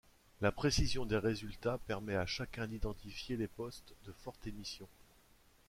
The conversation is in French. La précision des résultats permet à chacun d'identifier les postes de forte émission.